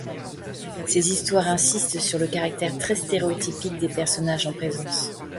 Ces histoires insistent sur le caractère très stéréotypique des personnages en présence.